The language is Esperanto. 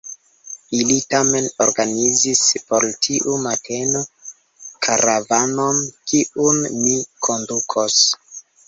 Ili tamen organizis por tiu mateno karavanon, kiun mi kondukos.